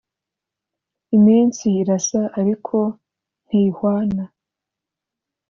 Iminsi irasa ariko ntihwana.